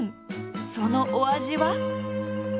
そのお味は？